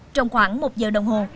trong khoảng một giờ đồng hồ